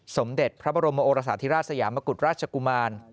สมเด็จพระบรมโอรสาธิราชสยามกุฎราชกุมาร